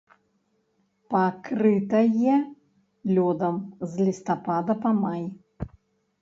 Пакрытае лёдам з лістапада па май.